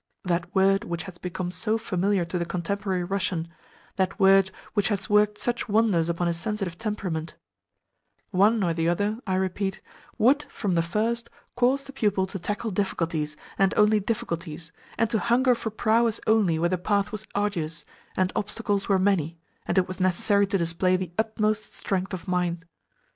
that word which has become so familiar to the contemporary Russian, that word which has worked such wonders upon his sensitive temperament); one or the other, I repeat, would from the first cause the pupil to tackle difficulties, and only difficulties, and to hunger for prowess only where the path was arduous, and obstacles were many, and it was necessary to display the utmost strength of mind.